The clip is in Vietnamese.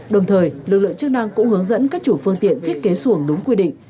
đồng thời lực lượng chức năng cũng hướng dẫn các chủ phương tiện thiết kế xuồng đúng quy định